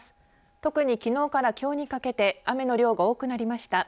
特に、きのうからきょうにかけて雨の量が多くなりました。